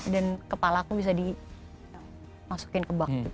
dan kepala aku bisa dimasukin ke bak